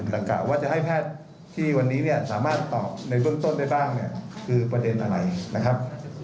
กล่าวว่าจะให้แพทย์ที่วันนี้เนี่ยสามารถตอบในเบื้องต้นได้บ้างเนี่ยคือประเด็นอะไรนะครับ